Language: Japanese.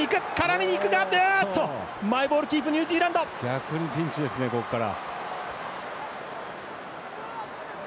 逆にピンチですね、ここから。